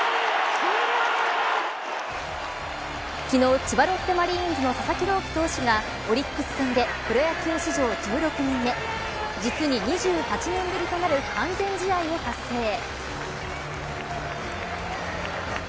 昨日、千葉ロッテマリーンズの佐々木朗希投手がオリックス戦でプロ野球史上１６人目実に２８年ぶりとなる完全試合を達成。